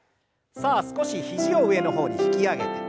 さあ少し肘を上の方に引き上げて。